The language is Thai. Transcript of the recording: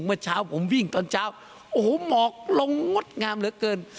เมื่อเช้าผมวิ่งตอนเช้าโอ้โหหมอกลงงดงามเหลือเกิน